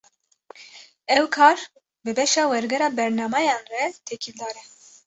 Ew kar, bi beşa wergera bernameyan re têkildar e